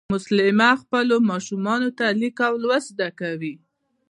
مسلیمه خپلو ماشومانو ته لیک او لوست زده کوي